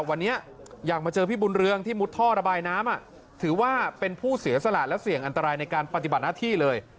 วันนี้อยากมาเจอพี่บุญเรืองที่มุดท่อระบายน้ำถือว่าเป็นผู้เสียสละและเสี่ยงอันตรายในการปฏิบัติหน้าที่เลย